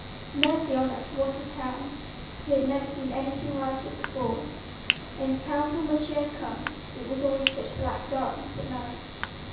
Mercy on us, what a town! He had never seen anything like it before. In the town from which he had come, it was always such black darkness at night.